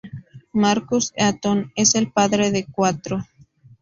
Marcus Eaton es el padre de Cuatro.